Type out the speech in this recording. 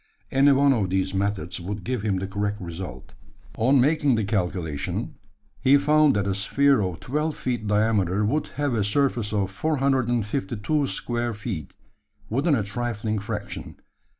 Any one of these methods would give him the correct result. On making the calculation, he found that a sphere of 12 feet diameter would have a surface of 452 square feet, within a trifling fraction.